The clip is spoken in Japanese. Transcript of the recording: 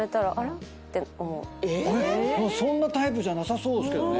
えっ⁉そんなタイプじゃなさそうっすけどね。